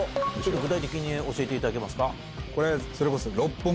具体的に教えていただけますか？